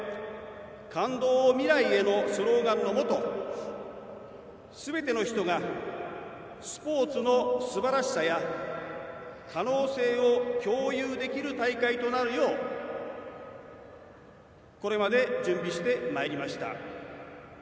感動を未来へ。」のスローガンのもとすべての人がスポーツのすばらしさや可能性を共有できる大会となるようこれまで準備してまいりました。